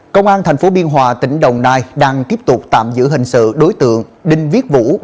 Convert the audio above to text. công an tp biên hòa tỉnh đồng nai đang tiếp tục tạm giữ hình sự đối tượng đinh viết vũ